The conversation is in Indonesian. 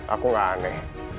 aku gak aneh